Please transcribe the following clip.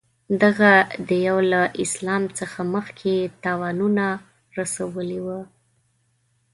دغه دېو له اسلام څخه مخکې تاوانونه رسولي وه.